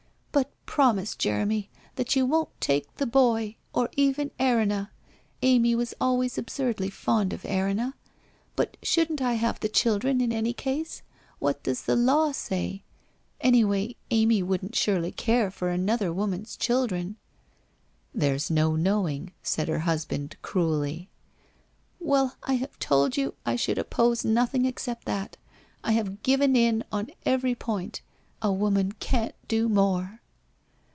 ' But promise, Jeremy, that you won't take the boy, or even Erinna. Amy was always absurdly fond of Erinna. But shouldn't I have the children in any case? What does the law say? Anyway, Amy wouldn't surely care for another woman's children ?'' There's no knowing ?' said her husband cruelly. ' Well, I have told you I should oppose nothing except that. I have given in on every point. A woman can't do more